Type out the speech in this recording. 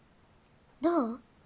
どう？